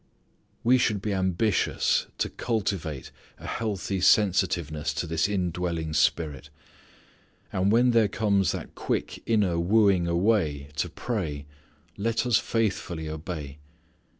We should be ambitious to cultivate a healthy sensitiveness to this indwelling Spirit. And when there comes that quick inner wooing away to pray let us faithfully obey.